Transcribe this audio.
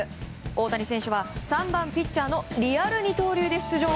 大谷選手は３番ピッチャーのリアル二刀流で出場。